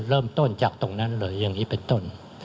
เริ่มต้นจากตรงนั้นเลยอย่างนี้เป็นต้น